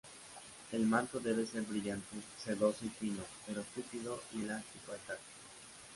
El manto debe ser brillante, sedoso y fino, pero tupido y elástico al tacto.